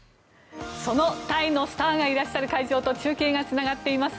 その、タイのスターがいらっしゃる会場と中継がつながっています。